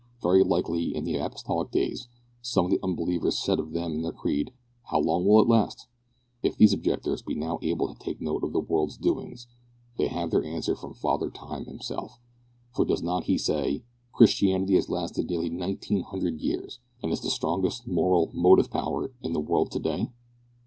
Very likely, in the apostolic days, some of the unbelievers said of them and their creed, `How long will it last?' If these objectors be now able to take note of the world's doings, they have their answer from Father Time himself; for does he not say, `Christianity has lasted nearly nineteen hundred years, and is the strongest moral motive power in the world to day?'